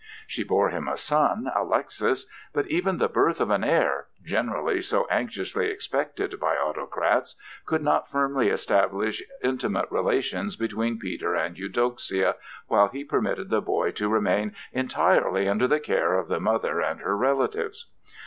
She bore him a son, Alexis, but even the birth of an heir—generally so anxiously expected by autocrats—could not firmly establish intimate relations between Peter and Eudoxia while he permitted the boy to remain entirely under the care of the mother and her relatives.